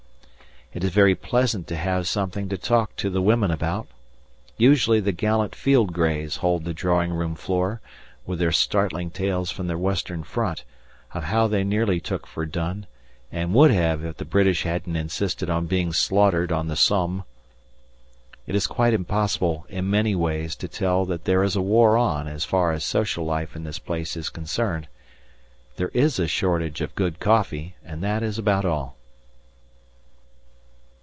It is very pleasant to have something to talk to the women about. Usually the gallant field greys hold the drawing room floor, with their startling tales from the Western Front, of how they nearly took Verdun, and would have if the British hadn't insisted on being slaughtered on the Somme. It is quite impossible in many ways to tell that there is a war on as far as social life in this place is concerned. There is a shortage of good coffee and that is about all.